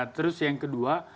terus yang kedua